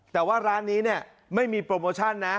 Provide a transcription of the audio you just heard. แต่ว่าร้านนี้เนี่ยไม่มีโปรโมชั่นนะ